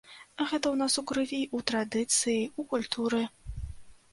Гэта ў нас у крыві, у традыцыі, у культуры.